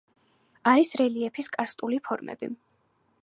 არის რელიეფის კარსტული ფორმები.